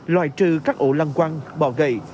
loại trừ các ổ lăng quang bỏ gậy